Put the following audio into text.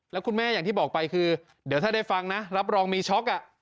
แล้วคุณแม่อย่างที่บอกไปคือเดี๋ยวถ้าได้ฟังนะรับรองมีช็อก